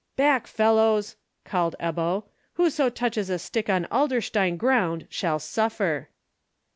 "Back, fellows!" called Ebbo. "Whoso touches a stick on Adlerstein ground shall suffer."